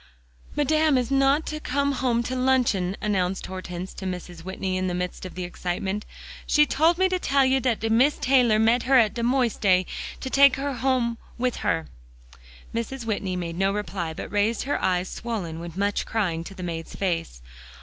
"Madame is not to come home to luncheon," announced Hortense to Mrs. Whitney in the midst of the excitement. "She told me to tell you that de Mees Taylor met her at de modiste, and took her home with her." Mrs. Whitney made no reply, but raised her eyes swollen with much crying, to the maid's face.